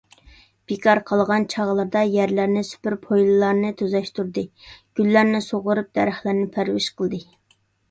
بىكار قالغان چاغلىرىدا يەرلەرنى سۈپۈرۈپ، ھويلىلارنى تۈزەشتۈردى. گۈللەرنى سۇغىرىپ، دەرەخلەرنى پەرۋىش قىلدى.